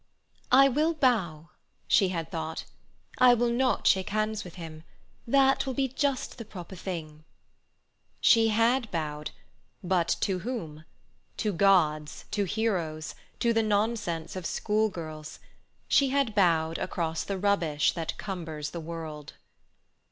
"I will bow," she had thought. "I will not shake hands with him. That will be just the proper thing." She had bowed—but to whom? To gods, to heroes, to the nonsense of school girls! She had bowed across the rubbish that cumbers the world.